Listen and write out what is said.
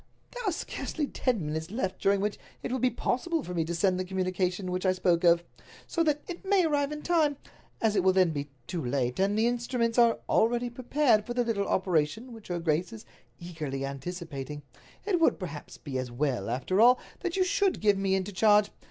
"There are scarcely ten minutes left during which it will be possible for me to send the communication which I spoke of, so that it may arrive in time. As it will then be too late, and the instruments are already prepared for the little operation which her grace is eagerly anticipating, it would, perhaps, be as well, after all, that you should give me into charge.